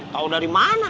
tau dari mana